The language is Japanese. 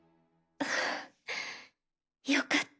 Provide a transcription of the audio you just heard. あよかった。